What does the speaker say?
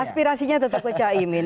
aspirasinya tetap caimin